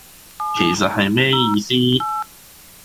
其實係咩意思